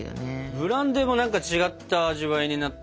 ブランデーも何か違った味わいになってよさそうですね。